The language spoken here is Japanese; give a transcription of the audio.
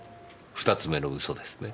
２つ目の嘘ですね。